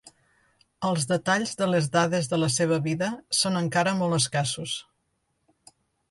Els detalls de les dades de la seva vida són encara molt escassos.